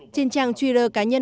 trên trang twitter cá nhân